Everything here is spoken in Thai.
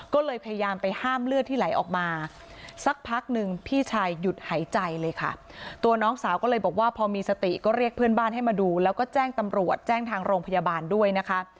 ก็เลยพยายามไปห้ามเลือดที่ไหลออกมาสักพักหนึ่งพี่ชายหยุดหายใจเลยค่ะตัวน้องสาวก็เลยบอกว่าพอมีสติก็เรียกเพื่อนบ้านให้มาดูแล้วก็แจ้งตำรวจแจ้งทางโรงพยาบาลด้วยนะคะ